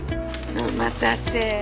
お待たせ！